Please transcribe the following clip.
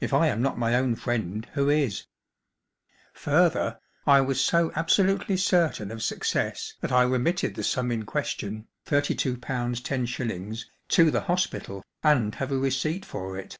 (If I am not my own friend, who is ?) Further, I was so absolutely certain of success that I remitted the sum in question, thirty two pounds ten shillings, to the hospital and have a receipt for it.